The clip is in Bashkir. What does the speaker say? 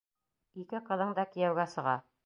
Ике ҡыҙың да кейәүгә сыға!